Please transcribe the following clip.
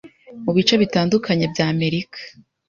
mu bice bitandukanye by'Amerika,